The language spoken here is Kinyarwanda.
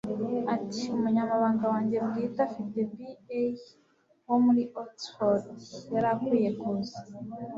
ati 'umunyamabanga wanjye bwite afite b. a. wo muri oxford.' 'yari akwiye kuza